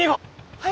はい。